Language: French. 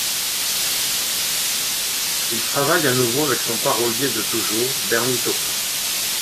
Il travaille à nouveau avec son parolier de toujours, Bernie Taupin.